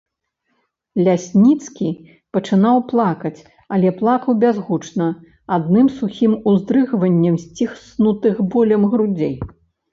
Лясніцкі пачынаў плакаць, але плакаў бязгучна, адным сухім уздрыгваннем сціснутых болем грудзей.